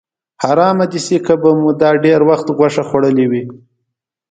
حرامه دې شي که به مو دا ډېر وخت غوښه خوړلې وي.